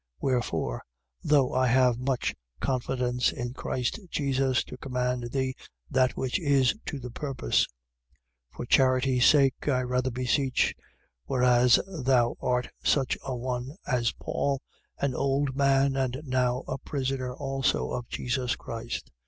1:8. Wherefore, though I have much confidence in Christ Jesus to command thee that which is to the purpose: 1:9. For charity sake I rather beseech, whereas thou art such a one, as Paul, an old man and now a prisoner also of Jesus Christ.